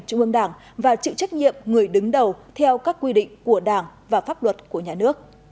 trung ương đảng và chịu trách nhiệm người đứng đầu theo các quy định của đảng và pháp luật của nhà nước